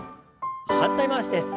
反対回しです。